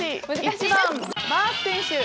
１番バース選手。